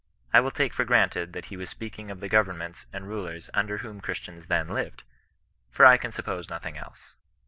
I will take for granted that he was speaking of the governments and rulers under whom Christians then lived ; for I can suppose nothing else.